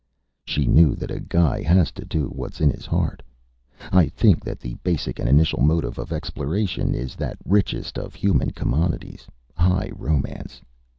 She knew that a guy has to do what's in his heart. I think that the basic and initial motive of exploration is that richest of human commodities high romance.